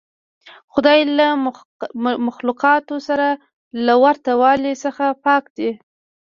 خدای له مخلوقاتو سره له ورته والي څخه پاک دی.